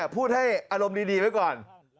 พูดให้อารมณ์ดีไว้ก่อน